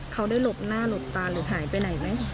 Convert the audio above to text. เขาได้หลบหน้าหลบตาหรือหายไปไหนไหม